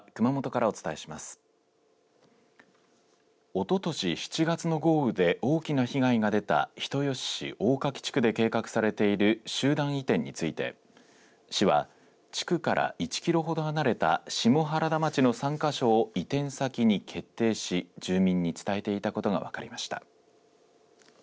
おととし７月の豪雨で大きな被害が出た人吉市大柿地区で計画されている集団移転について市は地区から１キロほど離れた下原田町の３か所を移転先に決定し住民に伝えていたことが分かりました。